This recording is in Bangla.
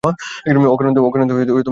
অকারণে তো কেউ দীর্ঘ নিঃশ্বাস ফেলে না।